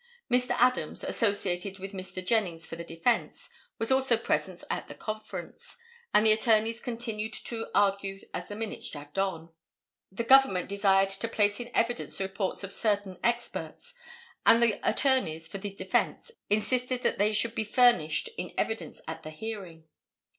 Mr. Adams, associated with Mr. Jennings for the defence, was also present at the conference, and the attorneys continued to argue as the minutes dragged along. The Government desired to place in evidence the reports of certain experts, and the attorneys for the defence insisted that they should be furnished in evidence at the hearing.